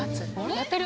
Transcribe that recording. やってる。